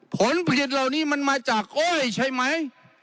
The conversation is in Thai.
ผลผลิตเหล่านี้มันมาจากอ้อยใช่ไหม